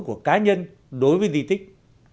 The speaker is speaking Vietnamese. của cá nhân đối với di tích